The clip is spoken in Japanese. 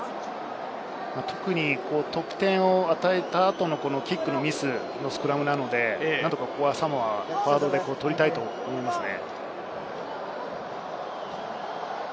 特に得点を与えた後のキックのミスのスクラムなので、サモアはフォワードで取りたいと思いますね。